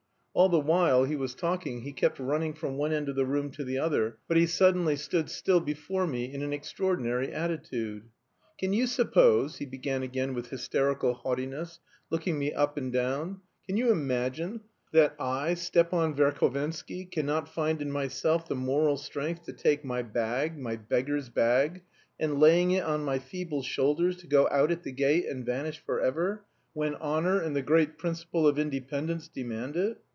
All the while he was talking he kept running from one end of the room to the other, but he suddenly stood still before me in an extraordinary attitude. "Can you suppose," he began again with hysterical haughtiness, looking me up and down, "can you imagine that I, Stepan Verhovensky, cannot find in myself the moral strength to take my bag my beggar's bag and laying it on my feeble shoulders to go out at the gate and vanish forever, when honour and the great principle of independence demand it!